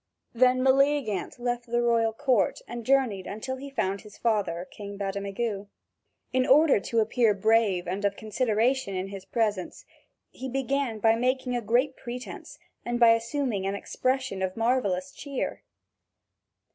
Then Meleagant left the royal court and journeyed until he found his father, King Bademagu. In order to appear brave and of consideration in his presence, he began by making a great pretence and by assuming an expression of marvellous cheer.